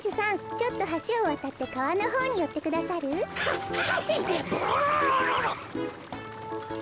ちょっとはしをわたってかわのほうによってくださる？ははい。